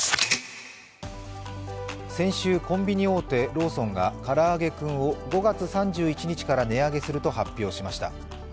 先週、コンビニ大手ローソンがからあげクンを５月３１日から値上げすると発表しました。